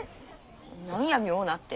何や妙なって。